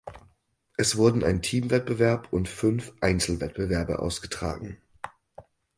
Es wurden ein Teamwettbewerb und fünf Einzelwettbewerbe ausgetragen